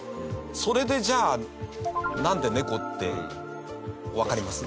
それで、じゃあなんで、猫ってわかります？